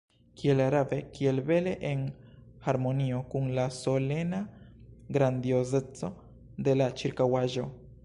Kiel rave, kiel bele en harmonio kun la solena grandiozeco de la ĉirkaŭaĵo!